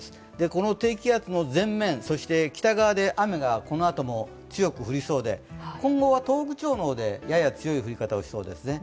この低気圧の前面、そして北側で雨がこのあとも強く降りそうで、今後は東北地方の方でやや強い降り方をしそうですね。